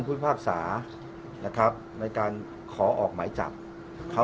อ๋อขออนุญาตเป็นในเรื่องของการสอบสวนปากคำแพทย์ผู้ที่เกี่ยวข้องให้ชัดแจ้งอีกครั้งหนึ่งนะครับ